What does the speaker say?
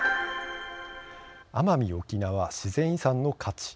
奄美・沖縄、自然遺産の価値。